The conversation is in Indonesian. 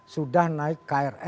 sudah naik krl atau trust jakarta